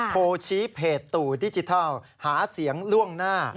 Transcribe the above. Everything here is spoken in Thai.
โชว์ชี้เพจตู่ดิจิทัลหาเสียงล่วงหน้า